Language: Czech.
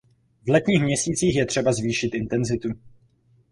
V letních měsících je třeba zvýšit intenzitu.